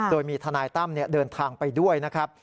โดยมีทนายตั้มเดินทางไปด้วยนะครับ